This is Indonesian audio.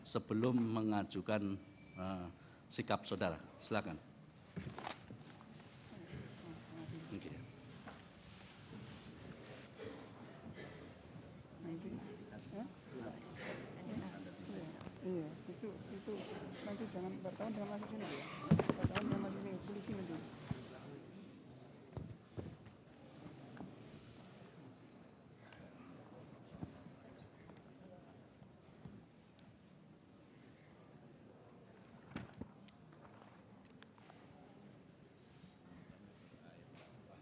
sebelum mengajukan sikap saudara